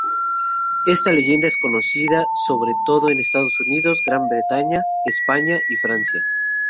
Esta leyenda es conocida sobre todo en Estados Unidos, Gran Bretaña, España y Francia.